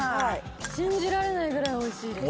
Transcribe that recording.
信じられないぐらいおいしいです。